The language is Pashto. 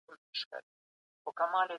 سړي ورته وویل چې معاش دې ډېر کم و.